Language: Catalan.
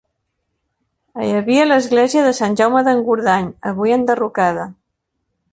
Hi havia l'església de Sant Jaume d'Engordany, avui enderrocada.